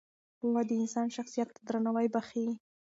پوهه د انسان شخصیت ته درناوی بښي.